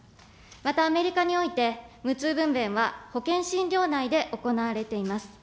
またアメリカにおいて、無痛分娩は保険診療内で行われています。